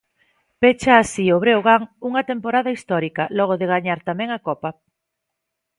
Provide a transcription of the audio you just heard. Pecha así o Breogán unha temporada histórica, logo de gañar tamén a Copa.